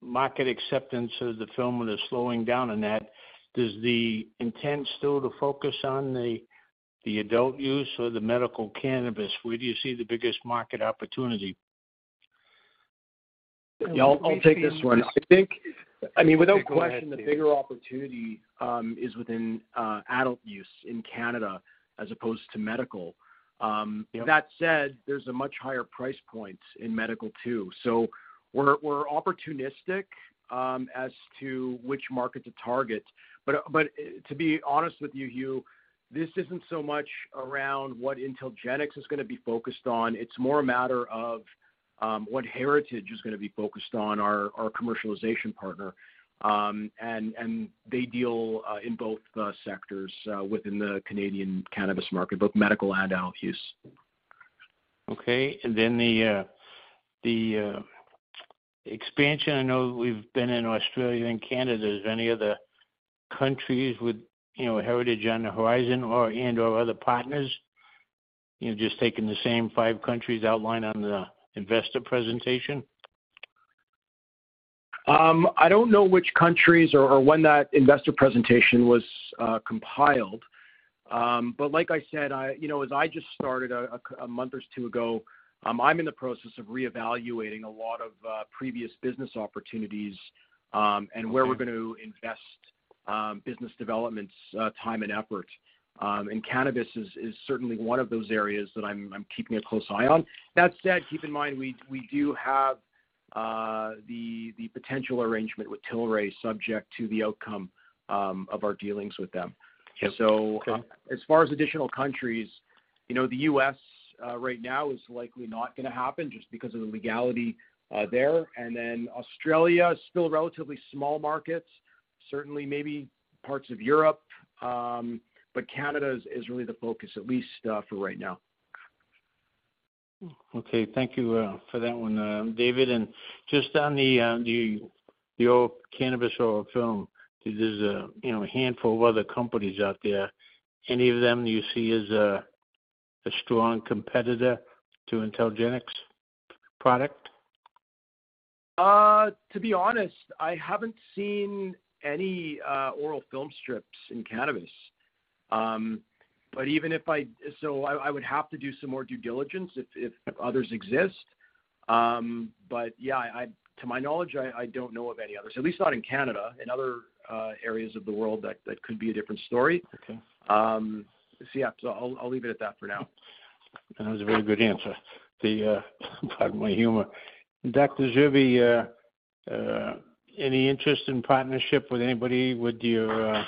market acceptance of the film and the slowing down on that, is the intent still to focus on the adult use or the medical cannabis? Where do you see the biggest market opportunity? Yeah, I'll take this one. I mean, without question-- Go ahead, David. The bigger opportunity, is within adult use in Canada as opposed to medical. That said, there's a much higher price point in medical too. We're, we're opportunistic, as to which market to target. To be honest with you, Hugh, this isn't so much around what IntelGenx is gonna be focused on. It's more a matter of, what Heritage is gonna be focused on, our commercialization partner. They deal in both the sectors within the Canadian cannabis market, both medical and adult use. Okay. The expansion, I know we've been in Australia and Canada. Is there any other countries with, you know, Heritage on the horizon or, and/or other partners, you know, just taking the same five countries outlined on the investor presentation? I don't know which countries or when that investor presentation was compiled. Like I said, I, you know, as I just started a month or two ago, I'm in the process of reevaluating a lot of previous business opportunities and where we're gonna invest, business development's time and effort. Cannabis is certainly one of those areas that I'm keeping a close eye on. That said, keep in mind we do have the potential arrangement with Tilray subject to the outcome of our dealings with them. Okay. Okay. As far as additional countries, you know, the U.S. right now is likely not gonna happen just because of the legality there. Australia is still relatively small markets, certainly maybe parts of Europe. Canada is really the focus, at least for right now. Okay. Thank you, for that one, David. Just on the, the oral cannabis oral film, there's a, you know, a handful of other companies out there. Any of them you see as a strong competitor to IntelGenx product? To be honest, I haven't seen any oral film strips in cannabis. Even if I would have to do some more due diligence if others exist. To my knowledge, I don't know of any others, at least not in Canada. In other areas of the world that could be a different story. Yeah. I'll leave it at that for now. That was a very good answer. The, pardon my humor. Dr. Zerbe, any interest in partnership with anybody with your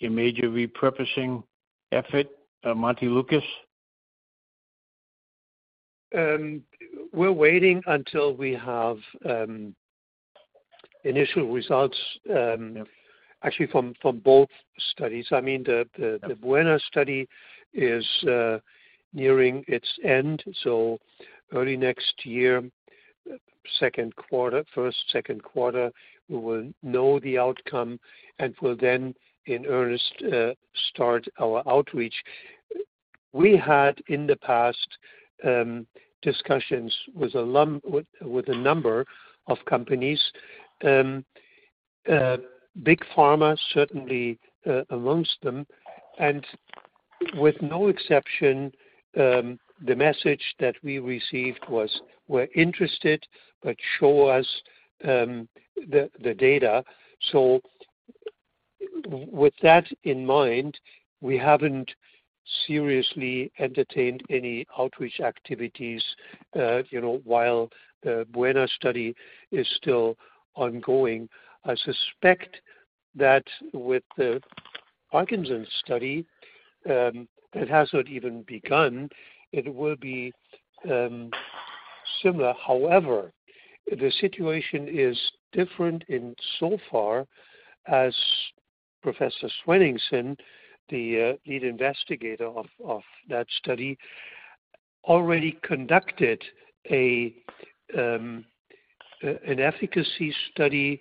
major repurposing effort, montelukast? We're waiting until we have initial results. Actually from both studies. The BUENA study is nearing its end, so early next year, second quarter, first, second quarter, we will know the outcome and will then in earnest start our outreach. We had in the past discussions with a number of companies, big pharma certainly amongst them, and with no exception, the message that we received was, "We're interested, but show us the data." With that in mind, we haven't seriously entertained any outreach activities, you know, while the BUENA study is still ongoing. I suspect that with the Parkinson's study, it has not even begun. It will be similar. The situation is different in so far as Professor Sveinbjörn Gizurarson, the lead investigator of that study, already conducted an efficacy study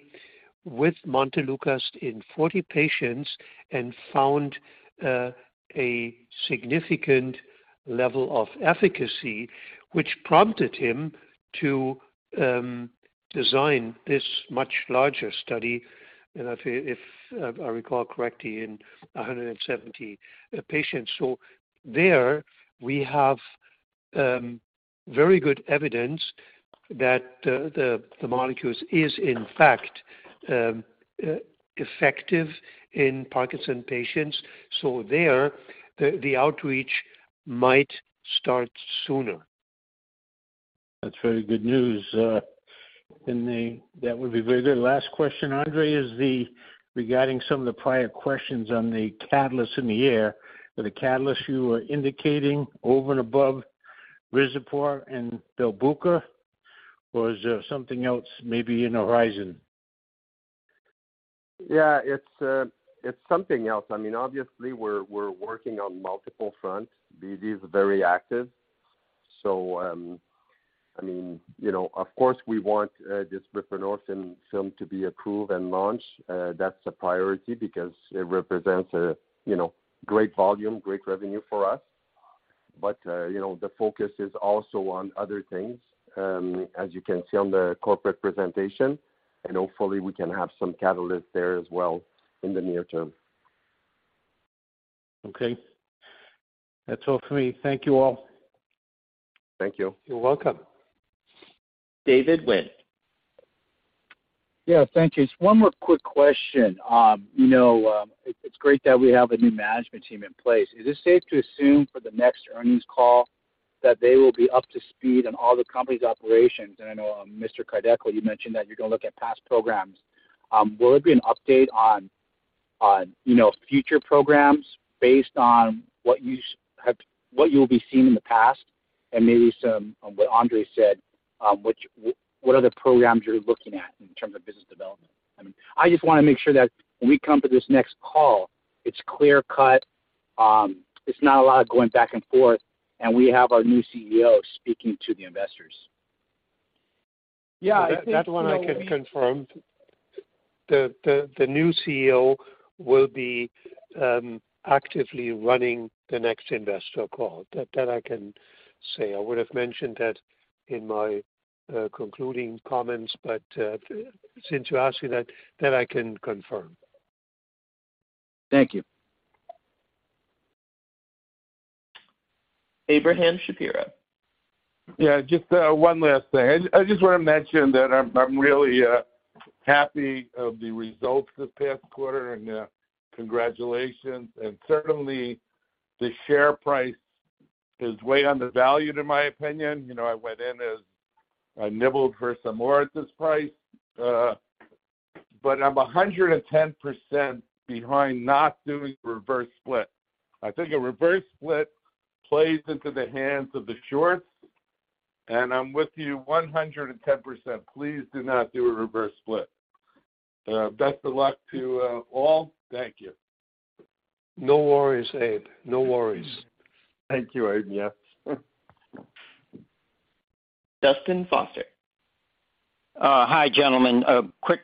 with Montelukast in 40 patients and found a significant level of efficacy, which prompted him to design this much larger study, and if I recall correctly, in 170 patients. There we have very good evidence that the molecules is in fact effective in Parkinson's patients. There, the outreach might start sooner. That's very good news. That would be very good. Last question, Andre, regarding some of the prior questions on the catalysts in the air. Are the catalysts you were indicating over and above RIZAPORT and Belbuca, or is there something else maybe in horizon? Yeah, it's something else. I mean, obviously, we're working on multiple fronts. BD is very active. I mean, you know, of course, we want this Buprenorphine film to be approved and launched. That's a priority because it represents a, you know, great volume, great revenue for us. You know, the focus is also on other things, as you can see on the corporate presentation, and hopefully we can have some catalyst there as well in the near term. Okay. That's all for me. Thank you all. Thank you. You're welcome. David Wynn. Yeah, thank you. Just one more quick question. You know, it's great that we have a new management team in place. Is it safe to assume for the next earnings call that they will be up to speed on all the company's operations? I know Mr. Kideckel, you mentioned that you're gonna look at past programs. Will there be an update on, you know, future programs based on what you'll be seeing in the past and maybe some of what Andre said, what are the programs you're looking at in terms of business development? I mean, I just wanna make sure that when we come to this next call, it's clear-cut, it's not a lot of going back and forth, and we have our new CEO speaking to the investors. Yeah. I think, you know-- That one I can confirm. The new CEO will be actively running the next investor call. That I can say. I would have mentioned that in my concluding comments, but since you asked me that I can confirm. Thank you. Abraham Shapiro. Yeah, just, one last thing. I just wanna mention that I'm really, happy of the results this past quarter, and, congratulations. Certainly, the share price is way undervalued, in my opinion. You know, I went in as I nibbled for some more at this price. I'm 110% behind not doing reverse split. I think a reverse split plays into the hands of the shorts, and I'm with you 110%. Please do not do a reverse split. Best of luck to, all. Thank you. No worries, Abe. No worries. Thank you, Abe. Yeah. Dustin Foster. Hi, gentlemen. A quick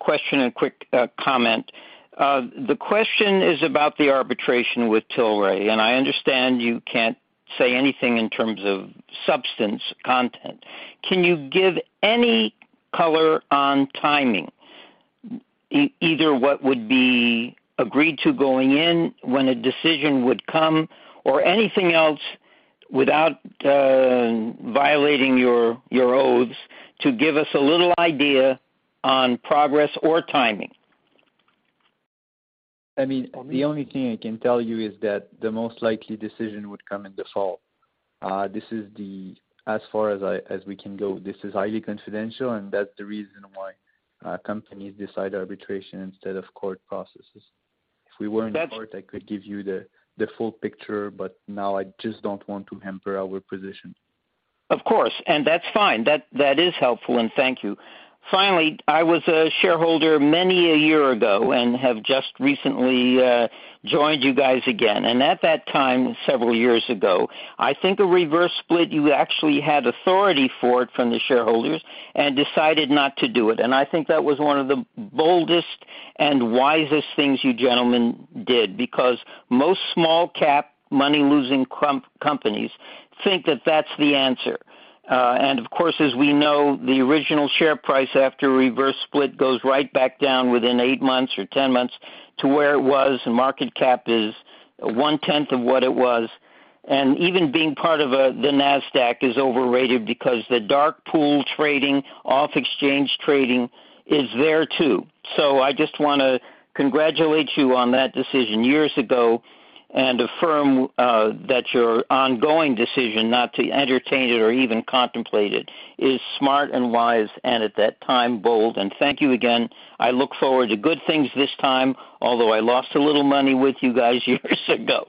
question and quick comment. The question is about the arbitration with Tilray, and I understand you can't say anything in terms of substance content. Can you give any color on timing? Either what would be agreed to going in, when a decision would come or anything else without violating your oaths to give us a little idea on progress or timing? I mean, the only thing I can tell you is that the most likely decision would come in the fall. This is as far as we can go. This is highly confidential, that's the reason why companies decide arbitration instead of court processes. If we were in court, I could give you the full picture, now I just don't want to hamper our position. Of course. That's fine. That, that is helpful, and thank you. Finally, I was a shareholder many a year ago and have just recently joined you guys again. At that time, several years ago, I think a reverse split, you actually had authority for it from the shareholders and decided not to do it. I think that was one of the boldest and wisest things you gentlemen did because most small cap money-losing crump companies think that that's the answer. Of course, as we know, the original share price after a reverse split goes right back down within 8 months or 10 months to where it was. The market cap is 1/10 of what it was. Even being part of the Nasdaq is overrated because the dark pool trading, off exchange trading is there too. I just wanna congratulate you on that decision years ago and affirm that your ongoing decision not to entertain it or even contemplate it is smart and wise, and at that time, bold. Thank you again. I look forward to good things this time, although I lost a little money with you guys years ago.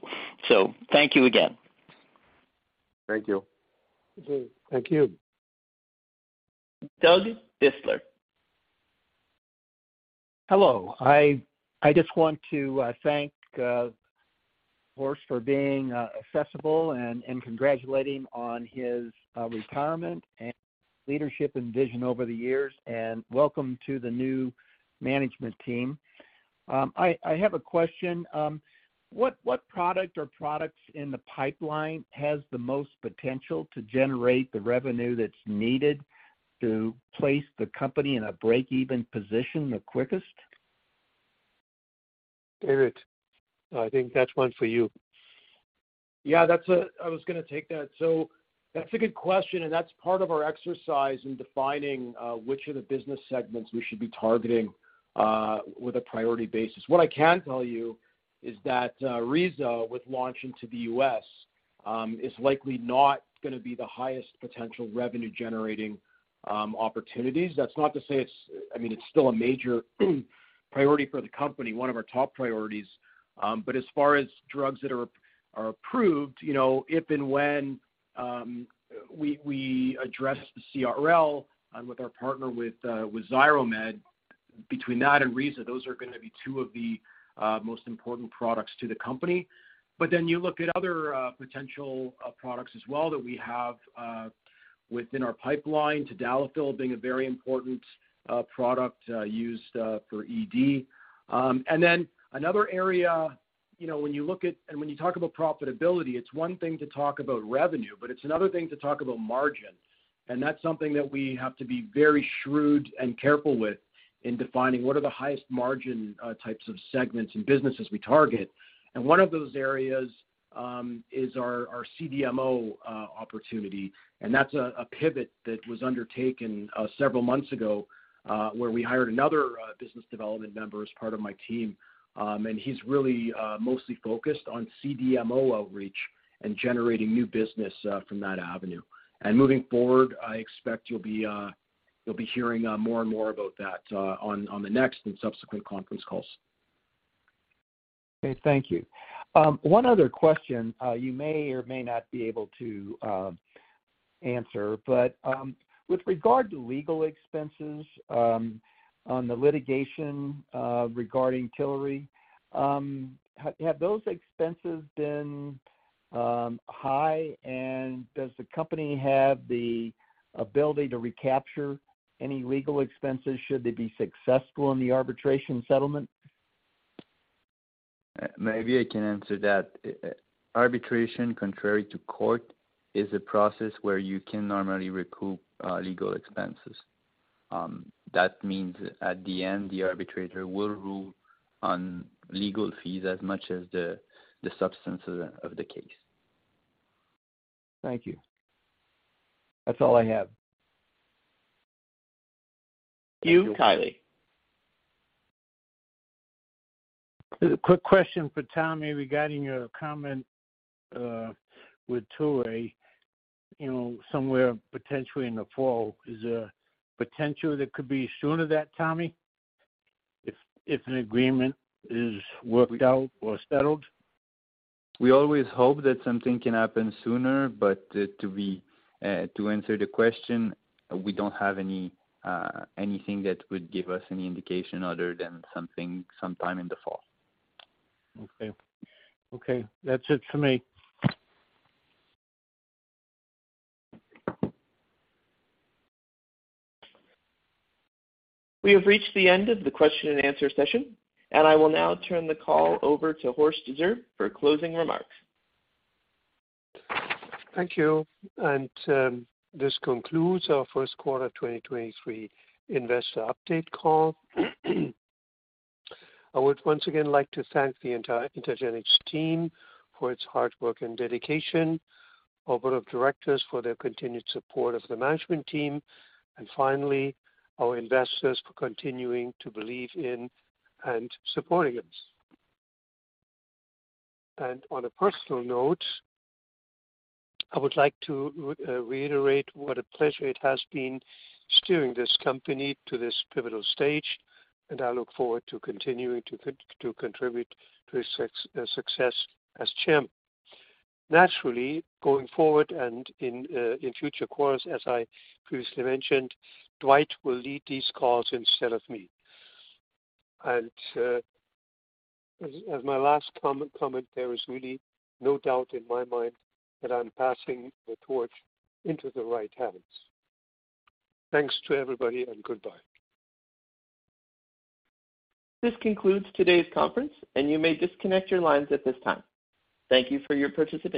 Thank you again. Thank you. Thank you. Doug Bistler. Hello. I just want to thank Horst for being accessible and congratulating on his retirement and leadership and vision over the years, and welcome to the new management team. I have a question. What product or products in the pipeline has the most potential to generate the revenue that's needed to place the company in a break-even position the quickest? David, I think that's one for you. Yeah, I was gonna take that. That's a good question. That's part of our exercise in defining which of the business segments we should be targeting with a priority basis. What I can tell you is that Riza with launch into the U.S. is likely not gonna be the highest potential revenue-generating opportunities. That's not to say it's, I mean, it's still a major priority for the company, one of our top priorities. As far as drugs that are approved, you know, if and when we address the CRL and with our partner with Xiromed, between that and Rizafilm, those are gonna be two of the most important products to the company. You look at other potential products as well that we have within our pipeline, Tadalafil being a very important product used for ED. Another area, you know, when you talk about profitability, it's one thing to talk about revenue, but it's another thing to talk about margin. That's something that we have to be very shrewd and careful with in defining what are the highest margin types of segments and businesses we target. One of those areas is our CDMO opportunity. That's a pivot that was undertaken several months ago where we hired another business development member as part of my team. He's really mostly focused on CDMO outreach and generating new business from that avenue. Moving forward, I expect you'll be hearing more and more about that on the next and subsequent conference calls. Okay. Thank you. One other question, you may or may not be able to answer. With regard to legal expenses, on the litigation, regarding Tilray, have those expenses been high, and does the company have the ability to recapture any legal expenses should they be successful in the arbitration settlement? Maybe I can answer that. Arbitration, contrary to court, is a process where you can normally recoup legal expenses. That means at the end, the arbitrator will rule on legal fees as much as the substance of the case. Thank you. That's all I have. Thank you. Kiley. A quick question for Tommy regarding your comment, with Tilray, you know, somewhere potentially in the fall. Is there potential that could be sooner than that, Tommy, if an agreement is worked out or settled? We always hope that something can happen sooner. To be to answer the question, we don't have any anything that would give us any indication other than something sometime in the fall. Okay. Okay, that's it for me. We have reached the end of the question and answer session. I will now turn the call over to Horst G. Zerbe for closing remarks. Thank you. This concludes our first quarter 2023 investor update call. I would once again like to thank the entire IntelGenx team for its hard work and dedication, our board of directors for their continued support of the management team, and finally, our investors for continuing to believe in and supporting us. On a personal note, I would like to reiterate what a pleasure it has been steering this company to this pivotal stage, and I look forward to continuing to contribute to its success as champ. Naturally, going forward and in future quarters, as I previously mentioned, Dwight will lead these calls instead of me. As my last comment, there is really no doubt in my mind that I'm passing the torch into the right hands. Thanks to everybody and goodbye. This concludes today's conference, and you may disconnect your lines at this time. Thank you for your participation